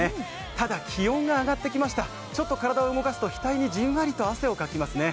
ただ、気温が上がってきましたちょっと体を動かすと額にじんわりと汗をかきますね。